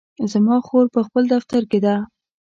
زما خور په خپل دفتر کې ده